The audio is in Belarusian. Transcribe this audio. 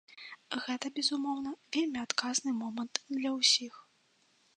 Гэта, безумоўна, вельмі адказны момант для ўсіх.